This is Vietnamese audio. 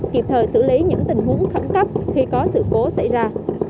kịp thời xử lý những tình huống khẩn cấp khi có sự cố xảy ra